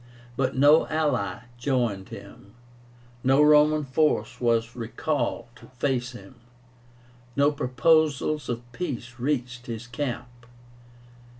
But no ally joined him; no Roman force was recalled to face him; no proposals of peace reached his camp.